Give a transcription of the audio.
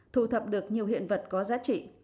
thu thập được nhiều hiện vật có giá trị